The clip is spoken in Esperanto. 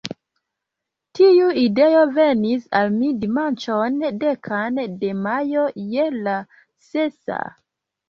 Tiu ideo venis al mi dimanĉon, dekan de majo, je la sesa.